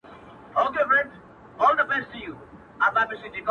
• گرانه شاعره له مودو راهسي ـ